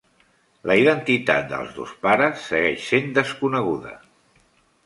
La identitat dels dos pares segueix sent desconeguda.